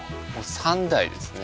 ３台ですね。